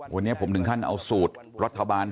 วันนี้ผมหนึ่งขั้นเอาสูตรลภารสี่ครัว